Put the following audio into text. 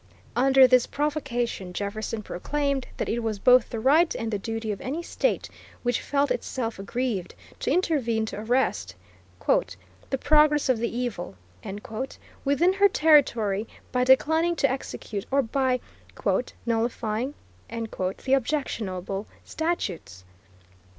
Under this provocation Jefferson proclaimed that it was both the right and the duty of any state, which felt itself aggrieved, to intervene to arrest "the progress of the evil," within her territory, by declining to execute, or by "nullifying," the objectionable statutes.